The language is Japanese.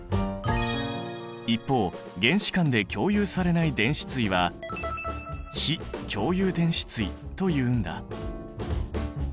一方原子間で共有されない電子対は非共有電子対というんだ。